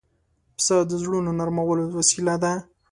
پسه د زړونو نرمولو وسیله ده.